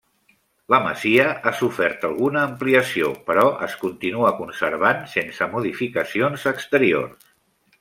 La masia ha sofert alguna ampliació, però es continua conservant sense modificacions exteriors.